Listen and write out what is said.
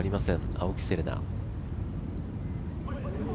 青木瀬令奈。